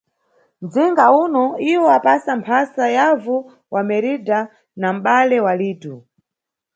Nʼdzinga uno, iwo apasa mphasa yavu wa Meridha na mʼbale wa Lito.